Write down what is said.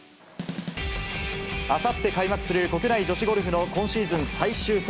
あさって開幕する国内女子ゴルフの今シーズン最終戦。